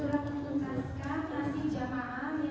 mudah mudahan saya bisa membantu